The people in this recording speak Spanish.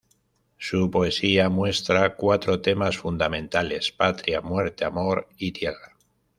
Su poesía muestra cuatro temas fundamentales: patria, muerte, amor y tierra.